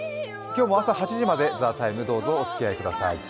今日も朝８時まで「ＴＨＥＴＩＭＥ，」どうぞおつきあいください。